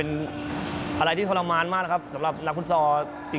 เป็นอะไรที่ทรมานมากนะครับสำหรับนักฟุตซอล